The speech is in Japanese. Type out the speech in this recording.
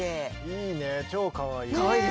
いいね超かわいい。